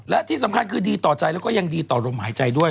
และที่สำคัญคือดีต่อใจแล้วก็ยังดีต่อลมหายใจด้วย